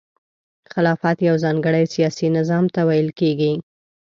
خلافت یو ځانګړي سیاسي نظام ته ویل کیږي.